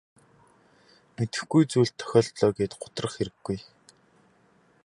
Мэдэхгүй зүйл тохиолдлоо гээд гутрах хэрэггүй.